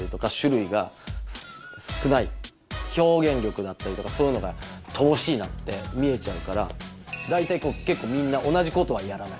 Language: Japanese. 表現力だったりとかそういうのがとぼしいなって見えちゃうからだいたいけっこうみんな同じことはやらない。